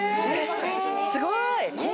すごーい！